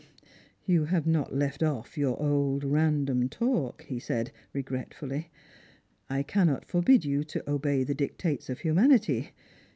"You have not left off your old random talk," he said, regret fully. I cannot forbid you to obey the dictates of humanity.